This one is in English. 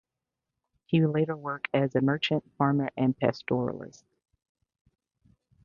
He would later work as a merchant, farmer and pastoralist.